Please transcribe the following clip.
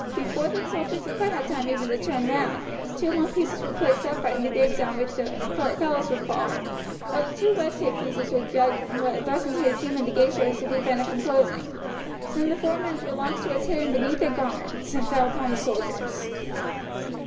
Before the soldiers in front had time even to turn round, the two long pieces were placed upright in the grooves down which the portcullis would fall, while the two wedge shaped pieces were thrust into the jamb of the gate so as to prevent it from closing. Then the four men drew long swords hidden beneath their garments and fell upon the soldiers.